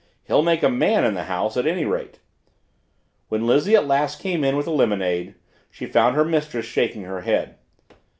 He'll make a MAN in the house at any rate. When Lizzie at last came in with the lemonade she found her mistress shaking her head.